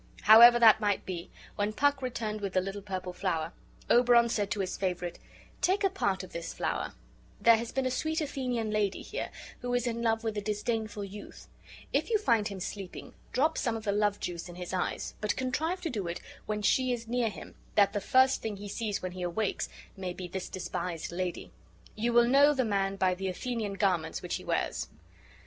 However that might be, when Puck returned with the little purple flower, Oberon said to his favorite: "Take a part of this flower; there has been a sweet Athenian lady here, who is in love with a disdainful youth; if you find him sleeping, drop some of the love juice in his eyes, but contrive to do it when she is near him, that the first thing he sees when he awakes may be this despised lady. You will know the man ]by the Athenian garments which be wears."